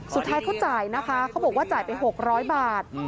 สุดท้ายเขาจ่ายนะคะเขาบอกว่าจ่ายไป๖๐๐บาท